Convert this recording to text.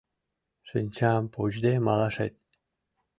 Шинчам почде малашет.